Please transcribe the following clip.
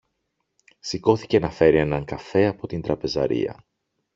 Σηκώθηκε να φέρει έναν καφέ από την τραπεζαρία